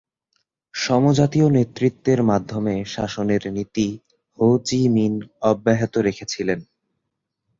সমজাতীয় নেতৃত্বের মাধ্যমে শাসনের নীতি হো চি মিন অব্যাহত রেখেছিলেন।